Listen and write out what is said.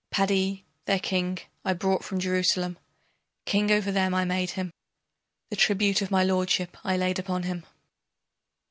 Padi, their king, I brought from Jerusalem, King over them I made him. The tribute of my lordship I laid upon him.